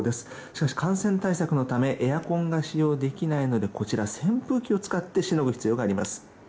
しかし、感染対策のためエアコンが使用できないのでこちらの扇風機を使ってしのぐ必要があります。